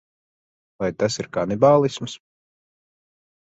Vai tas ir kanibālisms?